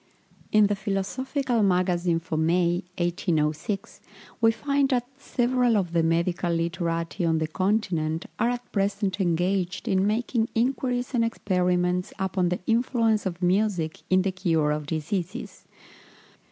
In the Philosophical Magazine for May, 1806, we find that "several of the medical literati on the continent are at present engaged in making inquiries and experiments upon the influence of music in the cure of diseases."